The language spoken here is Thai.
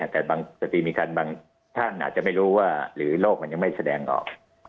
แต่บางสติมีการบางท่านอาจจะไม่รู้ว่าหรือโลกมันยังไม่แสดงออก